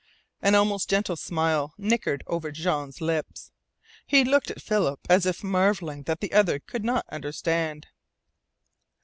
An almost gentle smile nickered over Jean's lips. He looked at Philip as if marvelling that the other could not understand.